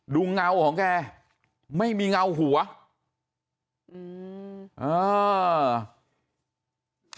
เงาของแกไม่มีเงาหัวอืมอ่า